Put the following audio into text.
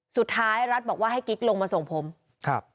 สุดท้ายรัฐบอกว่าให้กิ๊กลงมาส่งผมครับ